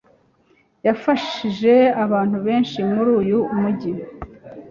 yafashije abantu benshi muri uyu mujyi.